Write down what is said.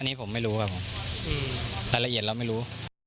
อันนี้ผมไม่รู้ครับผมรายละเอียดเราไม่รู้